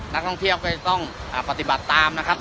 นักท่องเที่ยวก็จะต้องปฏิบัติตามนะครับ